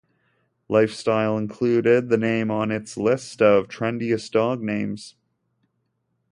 Lifestyle included the name on its list of Trendiest Dog Names.